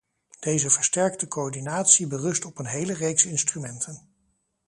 Deze versterkte coördinatie berust op een hele reeks instrumenten.